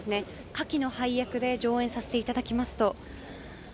下記の配役で上演させていただきますと。